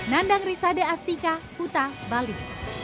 nandang risade astika kuta bali